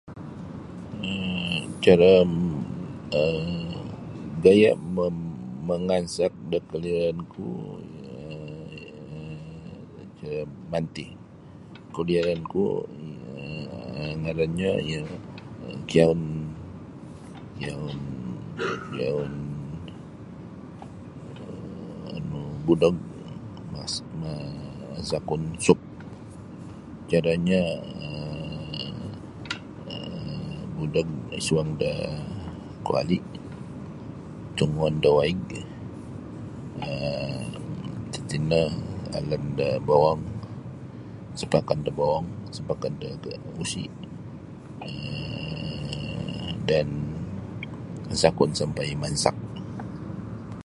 um Cara um gaya ma-mangansak da kaliuran ku ialah um macam manti kaliuran ku um ngaranyo um kiaun kiaun kiaun um budog masak um ansakun sup caranyo um budog isuang da kuali tunguuan da waig um lapas tino alun da bowong sapakan da bowong sapakan da da usi' um dan asakun sampai mansak.